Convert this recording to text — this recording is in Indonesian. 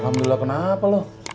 alhamdulillah kenapa lo